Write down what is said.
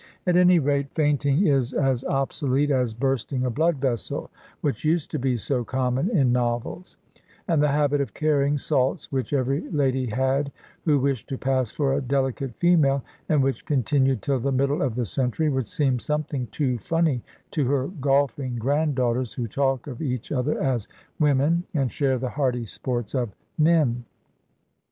At any rate, fainting is as ob solete as "bursting a blood vessel," which used to be so common in novels ; and the habit of carrying salts which every lady had who wished to pass for a "delicate fe male," and which continued till the middle of the cen tury, would seem something too funny to her golfing granddaughters, who talk of each other as "women" and share the hardy sports of "men."